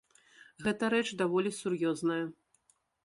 Гэта рэч даволі сур'ёзная.